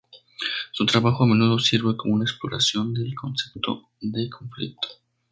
Su trabajo a menudo sirve como una exploración del concepto de conflicto.